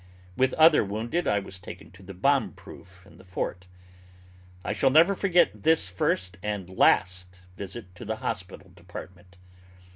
With other wounded I was taken to the bombproof in the fort. I shall never forget this first and last visit to the hospital department.